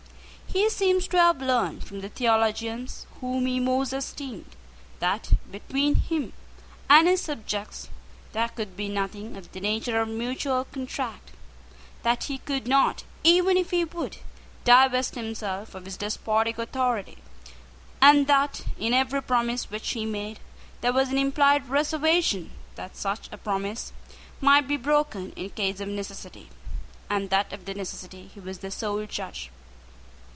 He seems to have learned from the theologians whom he most esteemed that between him and his subjects there could be nothing of the nature of mutual contract; that he could not, even if he would, divest himself of his despotic authority; and that, in every promise which he made, there was an implied reservation that such promise might be broken in case of necessity, and that of the necessity he was the sole judge.